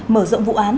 mở rộng vụ án